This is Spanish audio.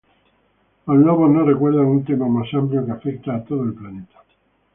Los lobos nos recuerdan un tema más amplio que afecta a todo el planeta.